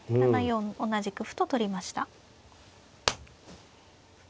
７四同じく歩と取りました。